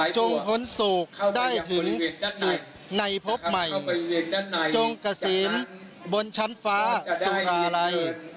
จงพ้นสูกได้ถึงในพบใหม่จงกระสินบนชั้นฟ้าสุภาลัย